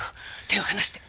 手を離して。